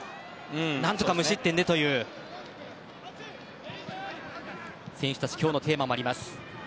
何とか無失点でという選手たちの今日のテーマもあります。